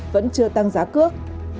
vẫn chưa tăng giá cước